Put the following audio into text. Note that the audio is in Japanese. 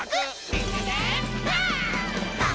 「みんなでパン！」